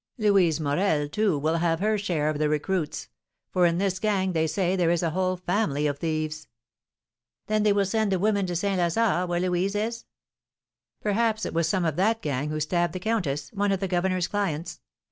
"Louise Morel, too, will have her share of the recruits; for in this gang, they say, there is a whole family of thieves." "Then they will send the women to St. Lazare, where Louise is?" "Perhaps it was some of that gang who stabbed the countess, one of the governor's clients.